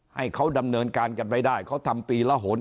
ให้เขาดำเนินการกันไปได้เขาทำปีละหน